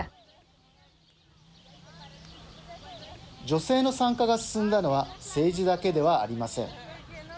女性の参加が進んだのは政治だけではありません。